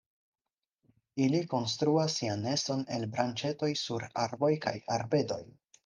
Ili konstruas sian neston el branĉetoj sur arboj kaj arbedoj.